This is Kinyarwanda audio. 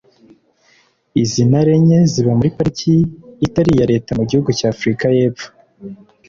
Izi ntare enye ziba muri pariki y’ itari iya Leta mu gihugu cya Afurika y’Epfo